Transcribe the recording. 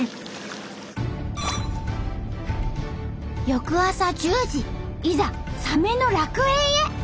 翌朝１０時いざサメの楽園へ！